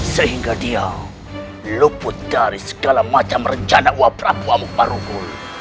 sehingga dia luput dari segala macam rencana yang saya lakukan